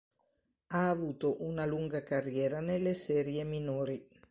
Ha avuto una lunga carriera nelle serie minori.